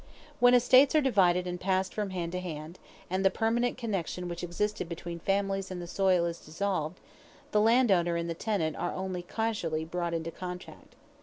When estates are divided and passed from hand to hand, and the permanent connection which existed between families and the soil is dissolved, the landowner and the tenant are only casually brought into contact.